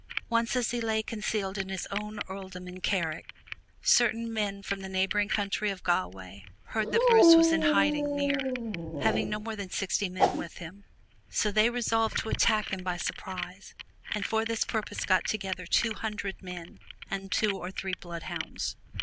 Once as he lay concealed in his own earldom of Carrick, certain men from the neighboring county of Galloway heard that Bruce was in hiding near, having no more than sixty men with him. So they resolved to attack him by surprise, and for this purpose got together two hundred men and two or three bloodhounds.